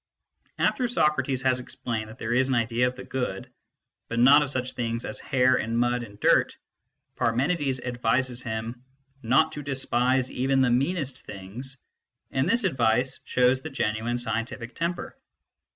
After Socrates has explained that there is an idea of the good, but not of such things as hair and mud and dirt, Parmenides advises him " not to despise even tha meanest things," and this advice shows the genuine scientific temper.